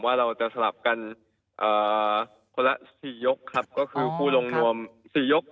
ว่าเราจะสลับกันคนละ๔ยกครับก็คือผู้ลงนวม๔ยก